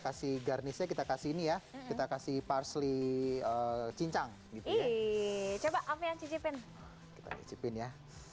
kasih garnisnya kita kasih ini ya kita kasih parsley cincang iiih coba amel cicipin ya